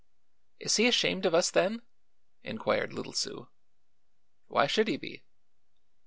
"Is he ashamed of us, then?" inquired little Sue. "Why should he be?"